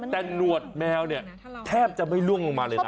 แต่หนวดแมวเนี่ยแทบจะไม่ล่วงลงมาเลยนะ